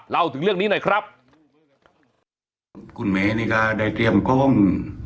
เล่าถึงเรื่องนี้หน่อยครับคุณเมนี่ก็ได้เตรียมกล้อง